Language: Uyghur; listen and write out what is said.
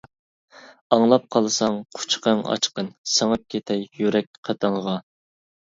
ئاڭلاپ قالساڭ قۇچىقىڭ ئاچقىن، سىڭىپ كېتەي يۈرەك قېتىڭغا.